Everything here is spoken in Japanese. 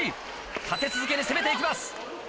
立て続けに攻めて行きます。